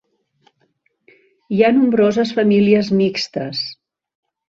Hi ha nombroses famílies mixtes.